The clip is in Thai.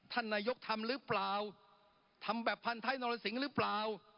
ท่านนายกทำหรือเปล่าทำแบบพันท้ายนรสิงห์หรือเปล่า